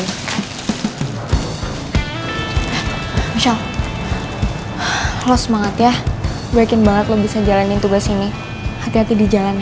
michelle lo semangat ya gue yakin banget lo bisa jalanin tugas ini hati hati di jalannya